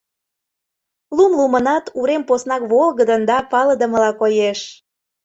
Лум лумынат, урем поснак волгыдын да палыдымыла коеш.